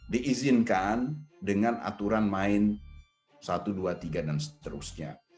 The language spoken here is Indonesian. diizinkan dengan aturan main satu dua tiga dan seterusnya